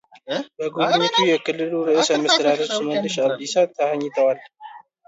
በጉብኝቱ የክልሉ ርዕሰ መስተዳድር ሽመልስ አብዲሳም ተሀኝተዋል